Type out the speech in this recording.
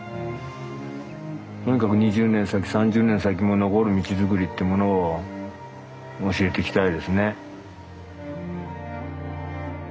とにかく２０年先３０年先も残る道作りってものを教えていきたいですね。